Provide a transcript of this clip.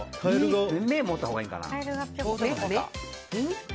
目を持ったほうがいいかな。